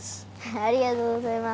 ありがとうございます。